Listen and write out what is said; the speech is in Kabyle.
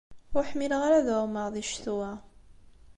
Ur ḥmileɣ ara ad ɛummeɣ di ccetwa.